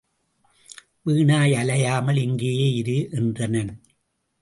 வீணாய் அலையாமல் இங்கேயே இரு, என்றனன்.